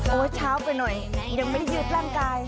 เช้าไปหน่อยยังไม่ได้ยืดร่างกาย